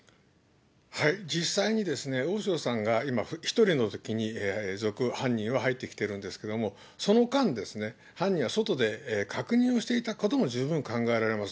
はい、実際にですね、大塩さんが、１人のときに賊、犯人は入ってきてるんですけども、その間ですね、犯人は外で確認をしていたことも十分考えられます。